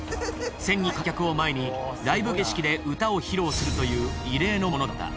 １，０００人の観客を前にライブ形式で歌を披露するという異例のものだった。